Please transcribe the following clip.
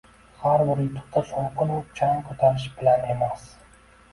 Har bir yutuqqa shovqin-u chang ko‘tarish bilan emas